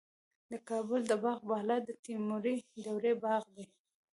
د کابل د باغ بالا د تیموري دورې باغ دی